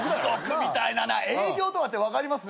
営業とかって分かります？